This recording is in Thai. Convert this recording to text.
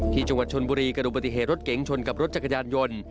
ที่จังหวัดชนบุรีกระดูกปฏิเหตุรถเก๋งชนกับรถจักรยานยนต์